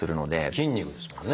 筋肉ですもんね。